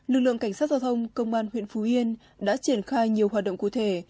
lực lượng cảnh sát giao thông công an huyện phú yên đã triển khai nhiều hoạt động cụ thể